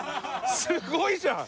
すごいじゃん！